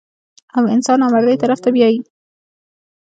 او انسان نامردۍ طرف ته بيائي -